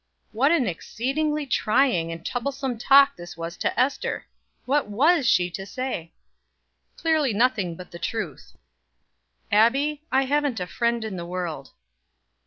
What an exceedingly trying and troublesome talk this was to Ester! What was she to say? Clearly nothing but the truth. "Abbie, I haven't a friend in the world."